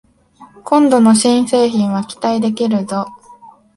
今度の新製品は期待できるぞ